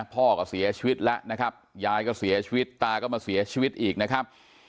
พ่อก็เสียชีวิตแล้วนะครับยายก็เสียชีวิตตาก็มาเสียชีวิตอีกนะครับ